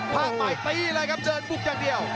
ภาคใหม่ตีเลยครับเดินบุกอย่างเดียว